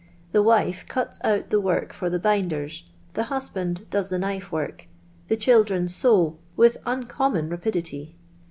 The wife cuts out the work for the binders, the husband does the knife work, the children sew with uncommon rapidity.